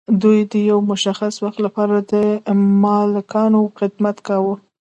دوی د یو مشخص وخت لپاره د مالکانو خدمت کاوه.